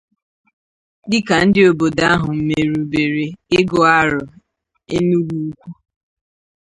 dịka ndị obodo ahụ merùbèrè Ịgụ Arọ Enugwu-Ukwu